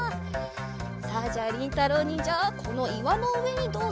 さあじゃありんたろうにんじゃこのいわのうえにどうぞ。